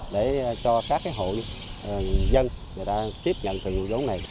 để cho các cái hộ dân người ta tiếp nhận từ ngụ dốn này